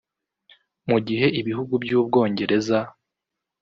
Mu gihe ibihugu by’ubwongereza